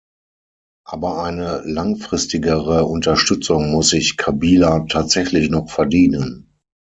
Aber eine langfristigere Unterstützung muss sich Kabila tatsächlich noch verdienen.